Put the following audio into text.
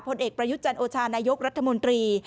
ผลเอกประยุทธ์จันโอชานายกรัฐมนตรี